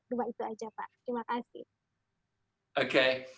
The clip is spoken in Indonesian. dua itu aja pak terima kasih